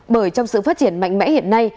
bởi trong sự phát triển mạnh mẽ hiện nay